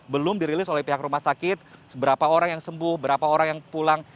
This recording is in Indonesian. belum dirilis oleh pihak rumah sakit seberapa orang yang sembuh berapa orang yang pulang